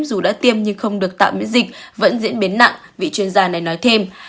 dù đã tiêm nhưng không được tạm miễn dịch vẫn diễn biến nặng vị chuyên gia này nói thêm